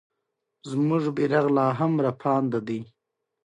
په افغانستان کې د پسه د اړتیاوو پوره کولو لپاره اقدامات کېږي.